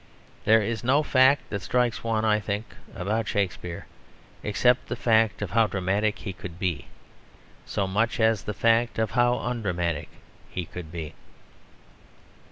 There is no fact that strikes one, I think, about Shakespeare, except the fact of how dramatic he could be, so much as the fact of how undramatic he could be.